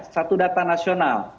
satu data nasional